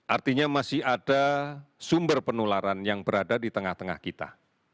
artinya masih ada sumber penularan yang berada di tengah tengah kita